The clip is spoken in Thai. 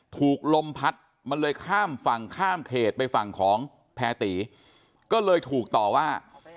ถูกลมพัดมันเลยข้ามฝั่งข้ามเขตไปฝั่งของแพรตีก็เลยถูกต่อว่า